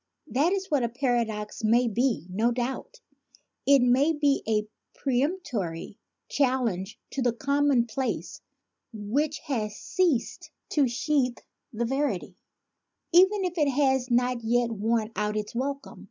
That is what a paradox may be, no doubt; it may be a peremptory challenge to a common place which has ceased to sheathe the verity, even if it has not yet worn out its welcome.